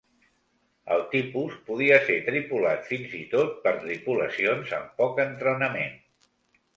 El tipus podia ser tripulat fins i tot per tripulacions amb poc entrenament.